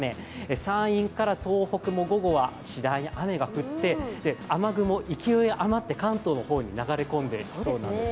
山陰から東北も午後は次第に雨が降って、雨雲が勢い余って関東の方に流れ込みそうです。